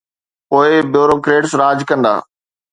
پوءِ بيوروڪريٽس راڄ ڪندا